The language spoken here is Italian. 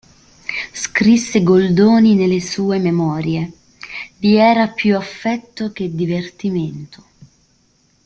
Scrisse Goldoni nelle sue memorie: "Vi era più affetto che divertimento.